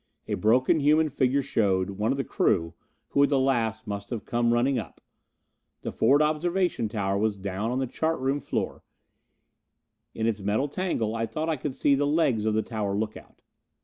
A broken human figure showed one of the crew, who at the last must have come running up. The forward observation tower was down on the chart room roof: in its metal tangle I thought I could see the legs of the tower look out.